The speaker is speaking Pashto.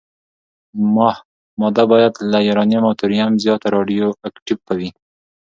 ماده باید له یورانیم او توریم زیاته راډیواکټیفه وي.